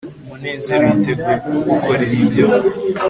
munezero yiteguye kugukorera ibyo